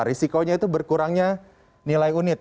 risikonya itu berkurangnya nilai unit